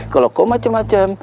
kalau kau macem macem